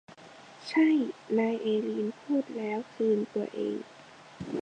ใช่นายเอลีนพูดแล้วคืนตัวเอง